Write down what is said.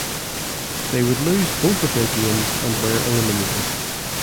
They would lose both of their games and were eliminated.